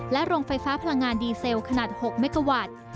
โรงไฟฟ้าพลังงานดีเซลขนาด๖เมกาวัตต์